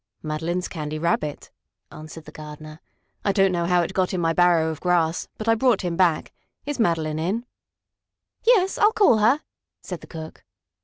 "Madeline's Candy Rabbit," answered the gardener. "I don't know how it got in my barrow of grass, but I brought him back. Is Madeline in?" "Yes, I'll call her," said the cook.